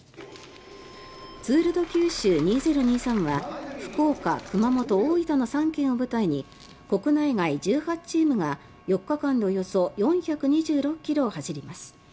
ツール・ド・九州２０２３は福岡、熊本、大分の３県を舞台に国内外１８チームが４日間でおよそ４２６ｋｍを走ります。